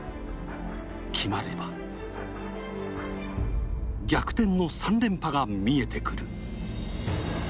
決まれば逆転の３連覇が見えてくる。